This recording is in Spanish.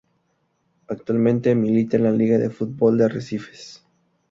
Actualmente milita en la Liga de fútbol de Arrecifes.